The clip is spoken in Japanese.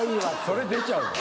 それ出ちゃうの？